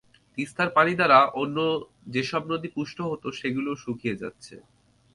তিস্তার পানি দ্বারা অন্য যেসব নদী পুষ্ট হতো, সেগুলোও শুকিয়ে যাচ্ছে।